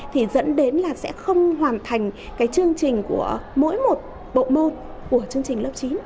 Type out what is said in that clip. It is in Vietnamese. thì dẫn đến là sẽ không hoàn thành cái chương trình của mỗi một bộ môn của chương trình lớp chín